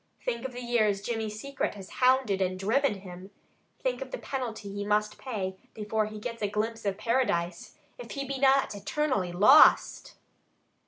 Think of the years Jimmy's secret has hounded and driven him! Think of the penalty he must pay before he gets a glimpse of paradise, if he be not eternally lost!"